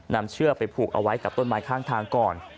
เชื่อไปผูกเอาไว้กับต้นไม้ข้างทางก่อน